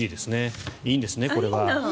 いいんですね、これは。